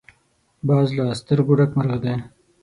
باز له سترګو ډک مرغه دی